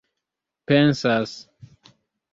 pensas